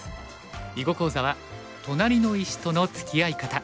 囲碁講座は「となりの石とのつきあい方」。